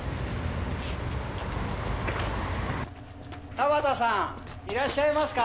田畑さんいらっしゃいますか？